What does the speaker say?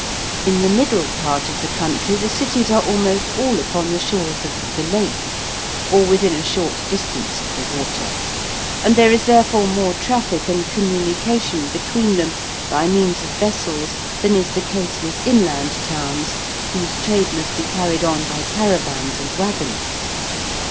In the middle part of the country the cities are almost all upon the shores of the Lake, or within a short distance of the water, and there is therefore more traffic and communication between them by means of vessels than is the case with inland towns, whose trade must be carried on by caravans and waggons.